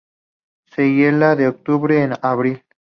Se hiela de octubre a abril.